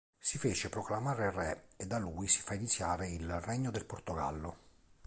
Si fece proclamare re e da lui si fa iniziare il Regno del Portogallo.